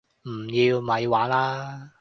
唔要！咪玩啦